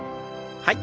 はい。